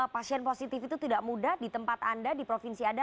pasien positif itu tidak mudah di tempat anda di provinsi anda